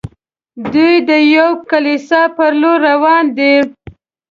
دوی د یوې کلیسا پر لور روان دي.